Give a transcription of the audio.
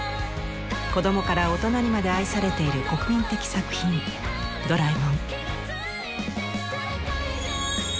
子どもから大人にまで愛されている国民的作品「ドラえもん」。